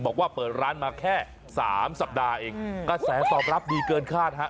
บอกว่าเปิดร้านมาแค่สามสัปดาห์เองกระแสตอบรับดีเกินคาดฮะ